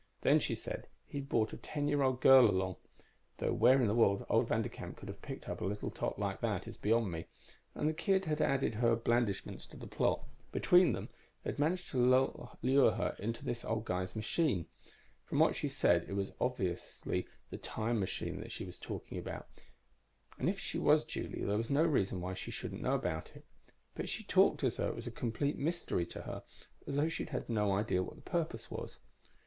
Then, she said, he'd brought a ten year old girl along though where in the world old Vanderkamp could have picked up a tot like that is beyond me and the kid had added her blandishments to the plot. Between them, they had managed to lure her into the old guy's machine. From what she said, it was obviously the time machine she was talking about, and if she was Julie there was no reason why she shouldn't know about it. But she talked as though it was a complete mystery to her, as though she'd no idea what the purpose of it was.